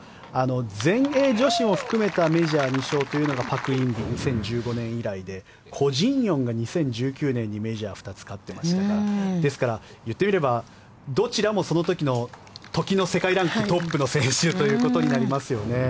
全英女子も含めたメジャー２勝というのがパク・インビ、２０１５年以来でコ・ジンヨンが２０１９年にメジャー２つ勝ってましたからですから、言ってみればどちらもその時の世界ランクトップの選手ということになりますよね。